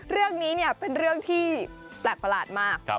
เรื่องนี้เป็นเรื่องที่แปลกประหลาดมาก